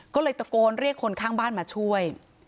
ก็เลยตะโกนเรียกคนข้างบ้านมาช่วย